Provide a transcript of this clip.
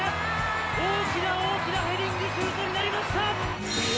大きな大きなヘディングシュートになりました。